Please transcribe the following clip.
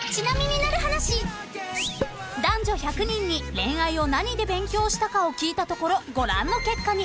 ［男女１００人に恋愛を何で勉強したかを聞いたところご覧の結果に！］